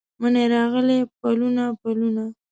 مني راغلي پلونه، پلونه